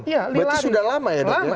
berarti sudah lama ya dok ya